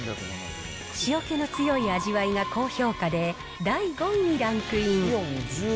塩気の強い味わいが高評価で、第５位にランクイン。